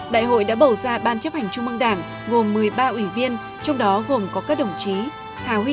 đại hội đã bầu ra ban chấp hành trung mương đảng gồm một mươi ba ủy viên trong đó gồm có các đồng chí